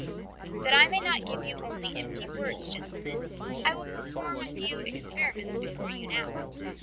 That I may not give you only empty words, gentlemen, I will perform a few experiments before you now.